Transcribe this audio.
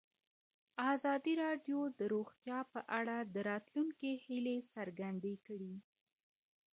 ازادي راډیو د روغتیا په اړه د راتلونکي هیلې څرګندې کړې.